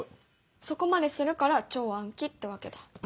そこまでするから超暗記ってわけだ。